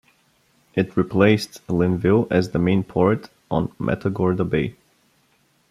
It replaced Linnville as the main port on Matagorda Bay.